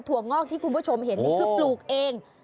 วงอกที่คุณผู้ชมเห็นนี่คือปลูกเอง